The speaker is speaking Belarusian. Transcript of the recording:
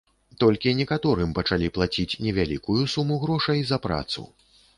Толькі некаторым пачалі плаціць невялікую суму грошай за працу.